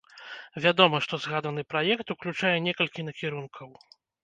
Вядома, што згаданы праект уключае некалькі накірункаў.